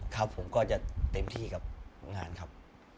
ครับผมก็จะเต็มที่กับงานครับ